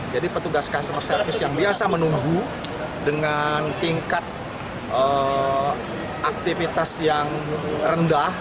jadi petugas customer service yang biasa menunggu dengan tingkat aktivitas yang rendah